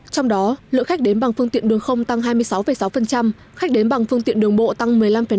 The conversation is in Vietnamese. trong đó lượng khách đến bằng phương tiện đường không tăng hai mươi sáu sáu khách đến bằng phương tiện đường bộ tăng một mươi năm năm